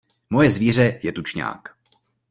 Moje zvíře je tučňák.